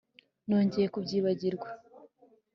Nongeye kubyibagirwa